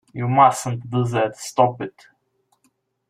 You mustn't do that. Stop it!